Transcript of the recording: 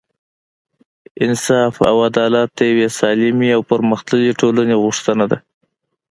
انصاف او عدالت د یوې سالمې او پرمختللې ټولنې غوښتنه ده.